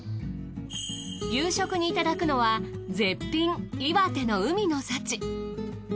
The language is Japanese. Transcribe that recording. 夕食にいただくのは絶品岩手の海の幸。